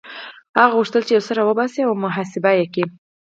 هغه غوښتل چې يو څه را وباسي او محاسبه يې کړي.